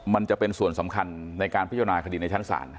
มันจะเป็นส่วนสำคัญในการพิจารณาคดีในชั้นศาล